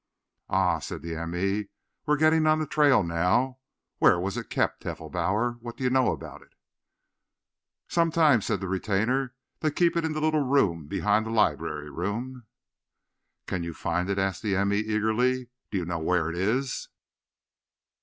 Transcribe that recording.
"Ah!" said the m. e. "We're getting on the trail now. Where was it kept, Heffelbauer? What do you know about it?" "Somedimes," said the retainer, "dey keep it in der little room behind der library room." "Can you find it?" asked the m. e. eagerly. "Do you know where it is?"